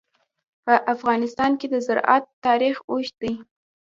په افغانستان کې د زراعت تاریخ اوږد دی.